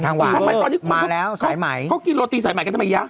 ทางหวานมาแล้วสายใหม่เขากินโรตีสายใหม่กันทำไมเนี่ย